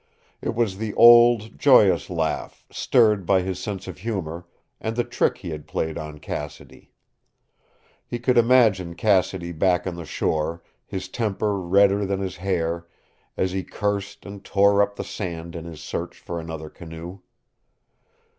It was the old, joyous laugh, stirred by his sense of humor, and the trick he had played on Cassidy. He could imagine Cassidy back on the shore, his temper redder than his hair as he cursed and tore up the sand in his search for another canoe.